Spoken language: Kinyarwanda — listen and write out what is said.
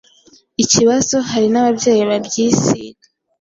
ikibazo hari n’ababyeyi babyisiga